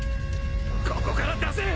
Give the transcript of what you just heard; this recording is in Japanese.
・ここから出せ！